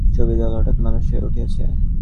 ছবির দল হঠাৎ মানুষ হইয়া উঠিয়াছে।